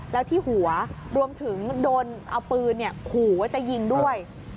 แล้วที่หัวรวมถึงโดนเอาปืนขู่ว่าจะยิงด้วย